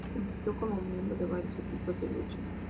Compitió como miembro de varios equipos de lucha.